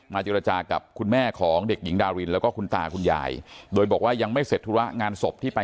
เจรจากับคุณแม่ของเด็กหญิงดารินแล้วก็คุณตาคุณยายโดยบอกว่ายังไม่เสร็จธุระงานศพที่ไป